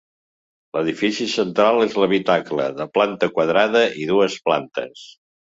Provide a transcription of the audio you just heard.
L'edifici central és l'habitacle, de planta quadrada i dues plantes.